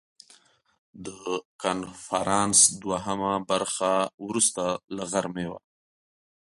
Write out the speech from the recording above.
د کنفرانس دوهمه برخه وروسته له غرمې وه.